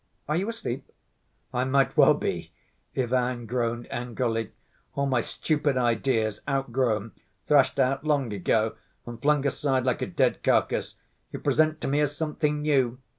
Are you asleep?" "I might well be," Ivan groaned angrily. "All my stupid ideas—outgrown, thrashed out long ago, and flung aside like a dead carcass—you present to me as something new!"